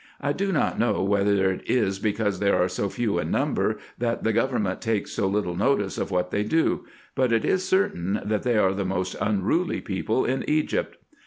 I do not know whether it is because they are so few in number, that the government takes so little notice of what they do ; but it is certain, that they are the most unruly people in Egypt.